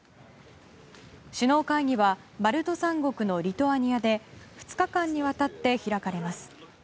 首脳会議はバルト三国のリトアニアで２日間にわたって開かれます。